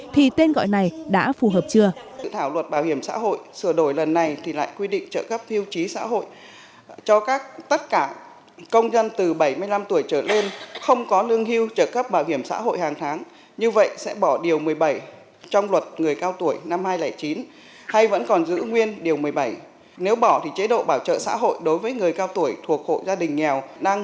thì tên gọi này đã phù hợp chưa